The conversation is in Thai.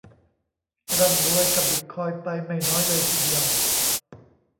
ร่ำรวยกับบิตคอยน์ไปไม่น้อยเลยทีเดียว